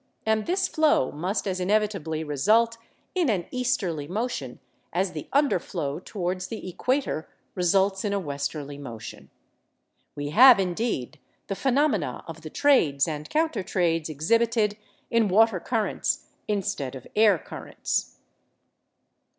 And this flow must as inevitably result in an easterly motion as the underflow towards the equator results in a westerly motion. We have, indeed, the phenomena of the trades and counter trades exhibited in water currents instead of air currents.